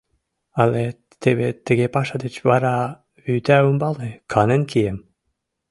Але теве тыге паша деч вара вӱта ӱмбалне канен кием.